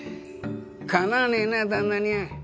かなわねえな旦那には。